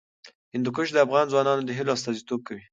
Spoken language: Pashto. هندوکش د افغان ځوانانو د هیلو استازیتوب کوي.